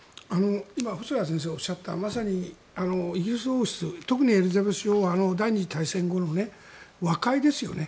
今、細谷先生がおっしゃったまさにイギリス王室特にエリザベス女王は第２次大戦後の和解ですよね。